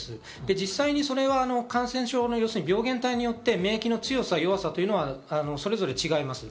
実際、感染症の病原体によって免疫の強さ、弱さというのがそれぞれ違います。